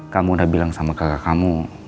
kamu udah bilang sama kakak kamu